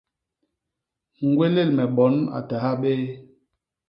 Ñgwélél me bon a ta habéé.